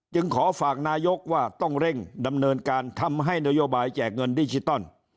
ขอฝากนายกว่าต้องเร่งดำเนินการทำให้นโยบายแจกเงินดิจิตอล